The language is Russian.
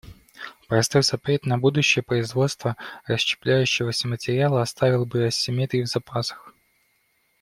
Простой запрет на будущее производство расщепляющегося материала оставил бы асимметрии в запасах.